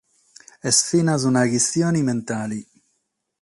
Est finas una chistione mentale.